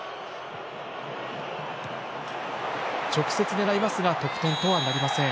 直接狙いますが得点とはなりません。